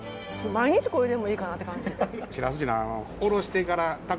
毎日これでもいいかなって感じ。